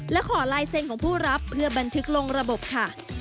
และขอลายเซ็นต์ของผู้รับเพื่อบันทึกลงระบบค่ะ